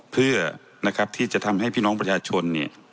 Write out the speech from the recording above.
เพื่อที่จะทำให้พี่น้องประชาชน